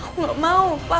aku gak mau pak